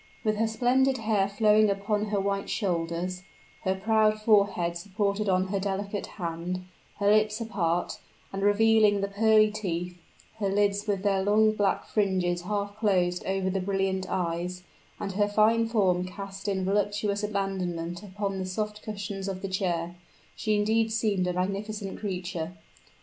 With her splendid hair flowing upon her white shoulders her proud forehead supported on her delicate hand her lips apart, and revealing the pearly teeth her lids with their long black fringes half closed over the brilliant eyes and her fine form cast in voluptuous abandonment upon the soft cushions of the chair she indeed seemed a magnificent creature!